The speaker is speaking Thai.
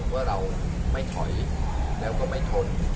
ว่าเราไม่ถอยแล้วก็ไม่ทน